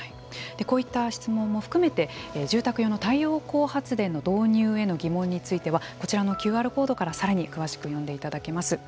こういった質問も含めて住宅用の太陽光発電の導入への疑問についてはこちらのＱＲコードから更に詳しく読んでいただけます。